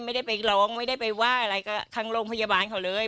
ไม่ได้ไปร้องไม่ได้ไปว่าอะไรกับทางโรงพยาบาลเขาเลย